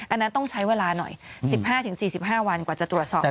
อันนั้นต้องใช้เวลาหน่อย๑๕๔๕วันกว่าจะตรวจสอบ